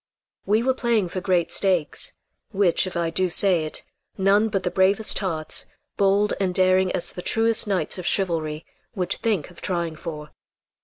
We were playing for great stakes, which, if I do say it, none but the bravest hearts, bold and daring as the truest knights of chivalry, would think of trying for.